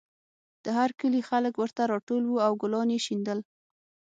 د هر کلي خلک ورته راټول وو او ګلان یې شیندل